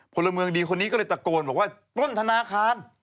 พลเมืองดีคนนี้ก็เลยตะโกนบอกว่าต้นธนาคาร